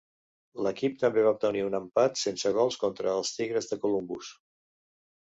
L'equip també va obtenir un empat sense gols contra els Tigres de Columbus.